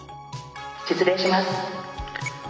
失礼します。